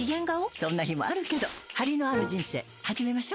そんな日もあるけどハリのある人生始めましょ。